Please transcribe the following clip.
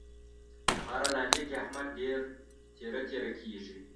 په هره لانجه کې، احمد ډېر تېره تېره کېږي.